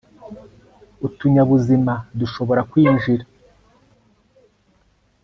utunyabuzima dushobora kwinjira